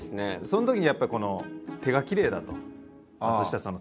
そのときにやっぱりこの手がきれいだと。